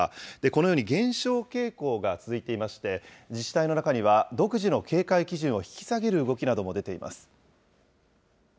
このように減少傾向が続いていまして、自治体の中には、独自の警戒基準を引き下げる動きなども出ています。